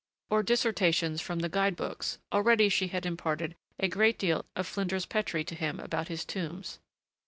or dissertations from the guide books already she had imparted a great deal of Flinders Petrie to him about his tombs.